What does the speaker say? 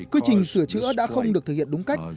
quy trình sửa chữa đã không được thực hiện đúng cách